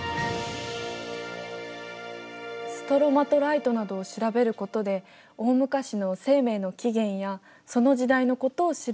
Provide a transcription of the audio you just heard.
ストロマトライトなどを調べることで大昔の生命の起源やその時代のことを知ることができる。